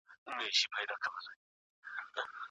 هغه وویل چې سبا به زموږ کور ته راشي.